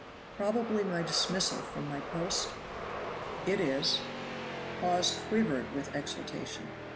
"Probably my dismissal from my post?" "It is." Hawes quivered with exultation.